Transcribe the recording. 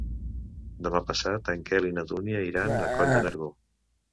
Demà passat en Quel i na Dúnia iran a Coll de Nargó.